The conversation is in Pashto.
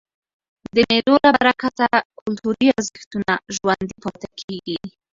د مېلو له برکته کلتوري ارزښتونه ژوندي پاته کېږي.